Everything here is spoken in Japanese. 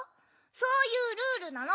そういうルールなの。